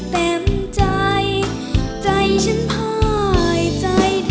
แป้มใจใจฉันคอยใจเธอ